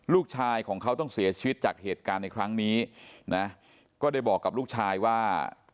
ลูกชายของเขาต้องเสียชีวิตจากเหตุการณ์ในครั้งนี้นะก็ได้บอกกับลูกชายว่า